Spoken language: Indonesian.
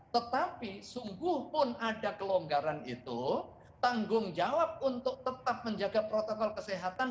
tetapi sungguh pun ada kelonggaran itu tanggung jawab untuk tetap menjaga protokol kesehatan